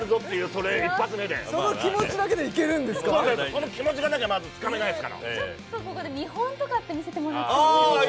その気持ちがなきゃまずつかめないですからちょっとここで見本とかって見せてもらってもいいですか？